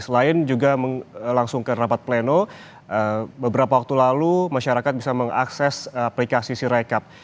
selain juga langsung ke rapat pleno beberapa waktu lalu masyarakat bisa mengakses aplikasi sirekap